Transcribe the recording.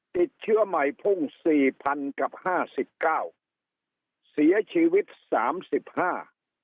ติดเชื้อใหม่พุ่งสี่พันกับห้าสิบเก้าเสียชีวิตสามสิบห้า